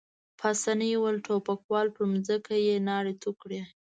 پاسیني وویل: ټوپکوال، پر مځکه يې ناړې تو کړې.